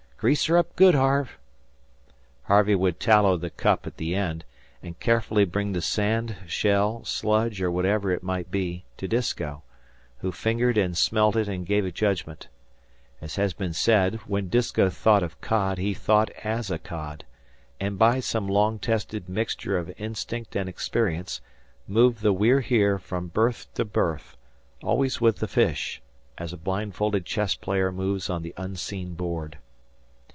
Grease her up good, Harve." Harvey would tallow the cup at the end, and carefully bring the sand, shell, sludge, or whatever it might be, to Disko, who fingered and smelt it and gave judgment As has been said, when Disko thought of cod he thought as a cod; and by some long tested mixture of instinct and experience, moved the We're Here from berth to berth, always with the fish, as a blindfolded chess player moves on the unseen board.